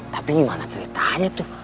tapi gimana ceritanya tuh